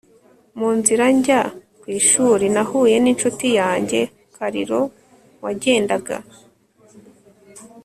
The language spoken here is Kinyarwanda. mu nzira njya ku ishuri, nahuye n'incuti yanjye karlo, wagendaga